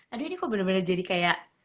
aduh ini kok bener bener jadi kayak